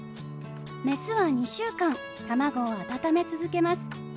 メスは２週間卵を温め続けます。